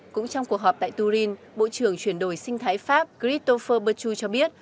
cũng trong cuộc họp tại turin bộ trưởng truyền đổi sinh thái pháp christopher pertu cho biết